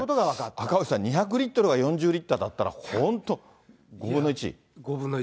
赤星さん、２００リットルが４０リットルだったら、本当、５分の１。